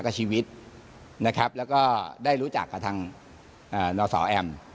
ก็ชีวิตและได้รู้จักกระทั่งเนาสอแอมม